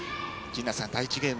第１ゲーム